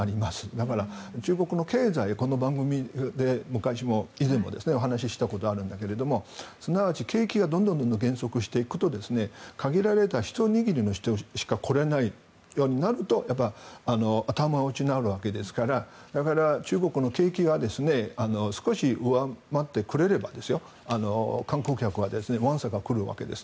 だから、中国の経済この番組で以前もお話ししたことがあるんだけどすなわち景気がどんどん減速していくと限られたひと握りの人しか来られないようになるとやっぱり頭打ちになるわけですからだから中国の景気が少し上向いてくれれば観光客はわんさか来るわけです。